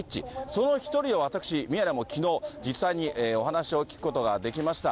その一人を、私、宮根も、きのう、実際にお話を聞くことができました。